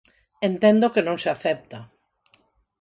Entendo que non se acepta.